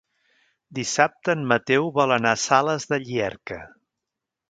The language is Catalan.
Dissabte en Mateu vol anar a Sales de Llierca.